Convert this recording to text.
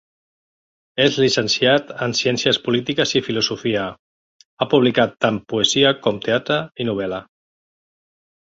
És llicenciat en Ciències Polítiques i Filosofia, ha publicat tant poesia com teatre i novel·la.